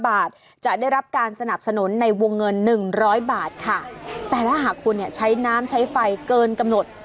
บาทจะได้รับการสนับสนุนในวงเงิน๑๐๐บาทค่ะแต่ถ้าหากคุณเนี่ยใช้น้ำใช้ไฟเกินกำหนด